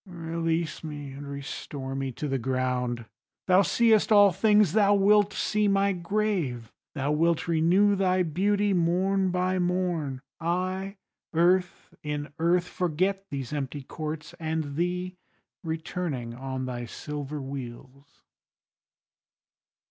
Release me, and restore me to the ground; Thou seest all things, thou wilt see my grave: Thou wilt renew thy beauty morn by morn; I earth in earth forget these empty courts, And thee returning on thy silver wheels.